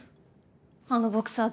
あのボクサー